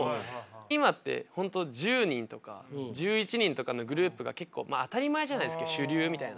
今って本当１０人とか１１人とかのグループが結構当たり前じゃないですか主流みたいな。